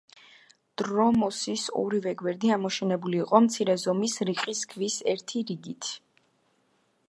დრომოსის ორივე გვერდი ამოშენებული იყო მცირე ზომის რიყის ქვის ერთი რიგით.